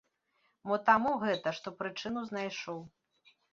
Мо таму гэта, што прычыну знайшоў.